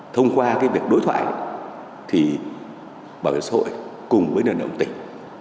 thông qua việc đối thoại thì bảo hiểm xã hội cùng với nền lộng tỉnh